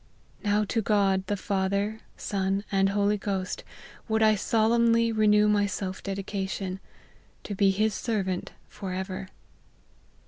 Now to God, the Father, Son, and Holy Ghost, would I solemnly renew my self dedication, to' be his ser vant for ever."